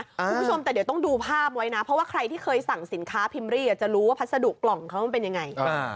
คุณผู้ชมแต่เดี๋ยวต้องดูภาพไว้นะเพราะว่าใครที่เคยสั่งสินค้าพิมรี่จะรู้ว่าพัสดุกล่องเขามันเป็นยังไง